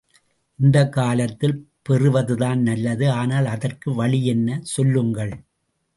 இந்தக் காலத்தில் பெறுவதுதான் நல்லது ஆனால் அதற்கு வழி என்ன, சொல்லுங்கள்.